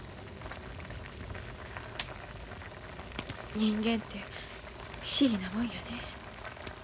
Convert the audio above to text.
人間て不思議なもんやね。